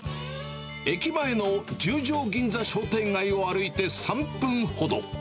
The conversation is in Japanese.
駅前の十条銀座商店街を歩いて３分ほど。